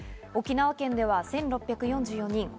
沖縄県では１６４４人。